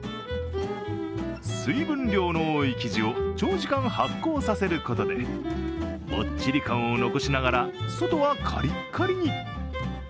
水分量の多い生地を長時間発酵させることでもっちり感を残しながら外はカリッカリに。